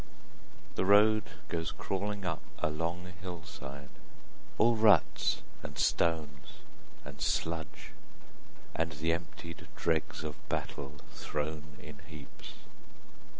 The road goes crawling up a long hillside, All ruts and stones and sludge, and the emptied dregs Of battle thrown in heaps.